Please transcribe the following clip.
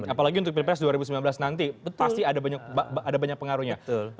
apalagi untuk pilpres dua ribu sembilan belas nanti pasti ada banyak pengaruhnya